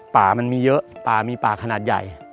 ป่ามันมีเยอะป่ามีป่าขนาดใหญ่